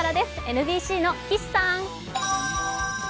ＮＢＣの岸さん。